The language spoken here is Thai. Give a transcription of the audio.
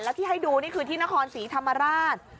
แล้วที่ให้ดูนี่คือที่นครศรีธรรมราช